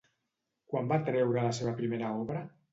Quan va treure la seva primera obra?